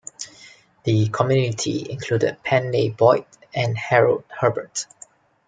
The community included Penleigh Boyd and Harold Herbert.